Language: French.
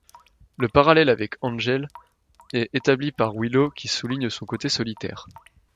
Le parallèle avec Angel est établi par Willow qui souligne son côté solitaire.